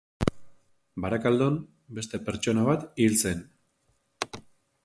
Barakaldon beste pertsona bat hil zen.